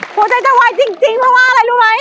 หัวใจจะไวจริงเพราะว่าอะไรรู้ไหม